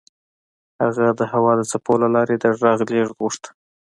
هغه د هوا د څپو له لارې د غږ لېږد غوښت